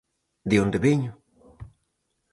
De onde veño?